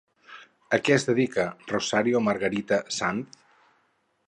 A què es dedica Rosario Margarita Sanz?